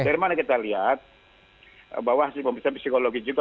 dari mana kita lihat bahwa hasil pemeriksaan psikologi juga